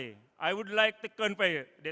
saya ingin mengucapkan